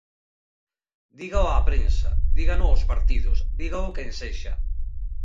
Dígao a prensa, dígano os partidos, dígao quen sexa.